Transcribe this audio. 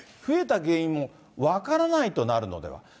増えた原因も分からないとなるのでは。